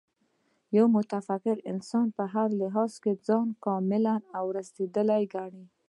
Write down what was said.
یو متکبر انسان په هر لحاظ ځان کامل او رسېدلی ګڼي